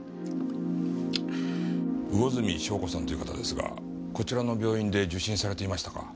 魚住笙子さんという方ですがこちらの病院で受診されていましたか？